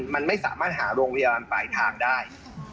มันไม่สามารถหาโรงพยาบาลปลายทางได้